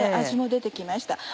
味も出て来ました。